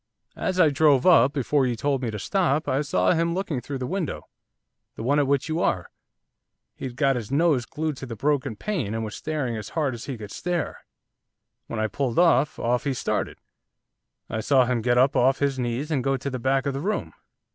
As I drove up, before you told me to stop, I saw him looking through the window, the one at which you are. He'd got his nose glued to the broken pane, and was staring as hard as he could stare. When I pulled up, off he started, I saw him get up off his knees, and go to the back of the room.